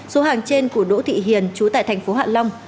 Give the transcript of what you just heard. số hàng trên của đỗ thị hiền chú tại thành phố hạ long